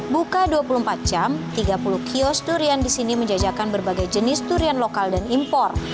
buka dua puluh empat jam tiga puluh kios durian di sini menjajakan berbagai jenis durian lokal dan impor